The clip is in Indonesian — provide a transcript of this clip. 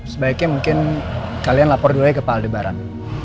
sebaiknya mungkin kalian lapor dulu aja ke pak aldebaran